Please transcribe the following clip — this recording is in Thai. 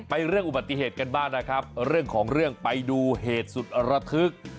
เรื่องอุบัติเหตุกันบ้างนะครับเรื่องของเรื่องไปดูเหตุสุดระทึก